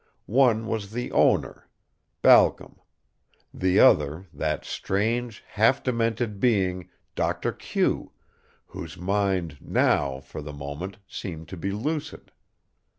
One was the owner, Balcom, the other that strange, half demented being, Doctor Q, whose mind now, for the moment, seemed to be lucid.